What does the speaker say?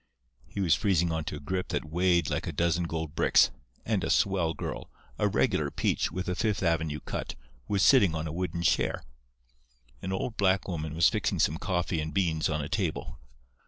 He was freezing on to a grip that weighed like a dozen gold bricks, and a swell girl—a regular peach, with a Fifth Avenue cut—was sitting on a wooden chair. An old black woman was fixing some coffee and beans on a table.